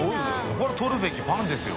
これ撮るべきパンですよ。